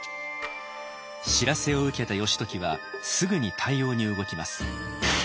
知らせを受けた義時はすぐに対応に動きます。